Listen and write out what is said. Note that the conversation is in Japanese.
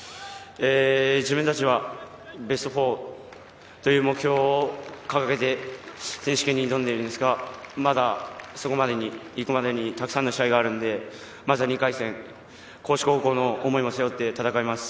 自分達はベスト４という目標を掲げて選手権に挑んでいるんですが、まだそこに行くまでに、たくさんの試合があるので、まずは２回戦、高知高校の思いも背負って戦います。